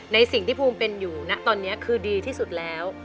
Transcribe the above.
ในสิ่งที่ภูมิเป็นอยู่นะตอนนี้คือดีที่สุดแล้ว